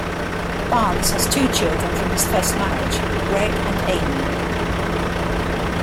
Barnes has two children from his first marriage, Greg and Amy.